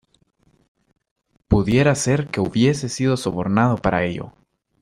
Pudiera ser que hubiese sido sobornado para ello.